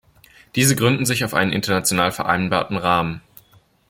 Diese gründen sich auf einen international vereinbarten Rahmen.